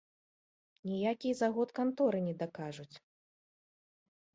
Ніякія заготканторы не дакажуць!